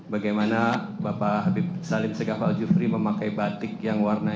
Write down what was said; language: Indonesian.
bagaimana bapak habib salim segafal jufri memakai batik yang warnanya